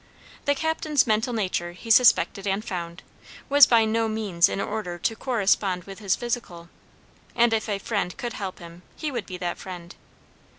The captain's mental nature, he suspected and found, was by no means in order to correspond with his physical; and if a friend could help him, he would be that friend.